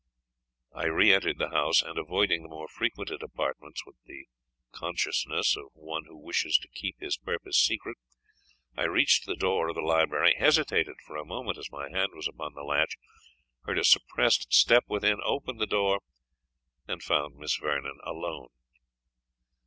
I re entered the house, and avoiding the more frequented apartments with the consciousness of one who wishes to keep his purpose secret, I reached the door of the library hesitated for a moment as my hand was upon the latch heard a suppressed step within opened the door and found Miss Vernon alone.